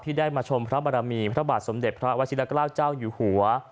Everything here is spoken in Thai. ได้มาชมพระบรมีพระบาทสมเด็จพระวชิละเกล้าเจ้าอยู่หัว